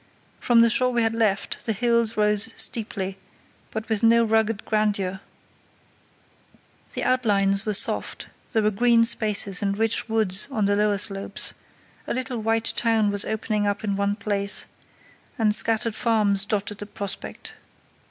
From the shore we had left the hills rose steeply, but with no rugged grandeur; the outlines were soft; there were green spaces and rich woods on the lower slopes; a little white town was opening up in one place, and scattered farms dotted the prospect.